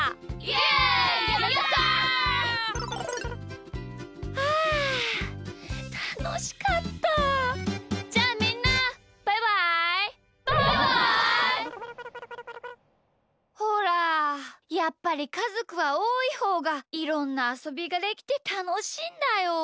やっぱりかぞくはおおいほうがいろんなあそびができてたのしいんだよ！